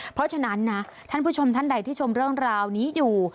เพราะฉะนั้นนะท่านผู้ชมท่านใดที่ชมเรื่องราวนี้อยู่